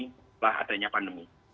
setelah adanya pandemi